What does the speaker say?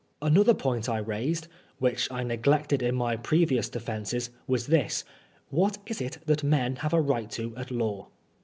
Another point I raised, which I neglected in my pre vions defences, was this. What is it that men have a right to at law